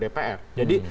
jadi menjanjikan sesuatu